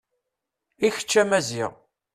I kečč a Maziɣ.